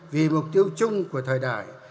vì mục tiêu chung của thời đại